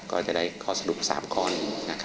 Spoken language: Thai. ก็จะได้ข้อสรุป๓ข้อนี้